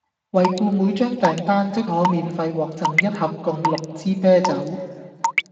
惠顧每張訂單即可免費獲贈一盒共六支啤酒